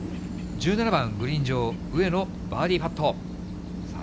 １７番グリーン上、上野、バーディーパット。